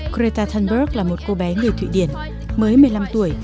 greta thunberg là một cô bé người thụy điển mới một mươi năm tuổi